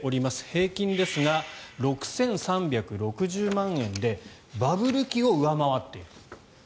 平均ですが６３６０万円でバブル期を上回っている。